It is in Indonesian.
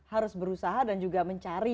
harus berusaha dan juga mencari